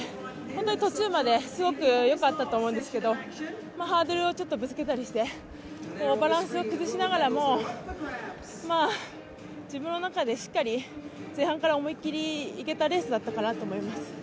本当に途中まですごくよかったと思うんですけど、ハードルをちょっとぶつけたりして、バランスを崩しながらも自分の中で、しっかり前半から思い切りいけたレースかなと思います。